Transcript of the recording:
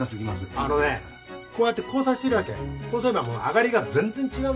あのねこうやって交差してるわけこうすれば上がりが全然違うんだ